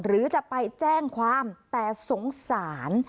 หรือจะไปแจ้งความแต่สงสาร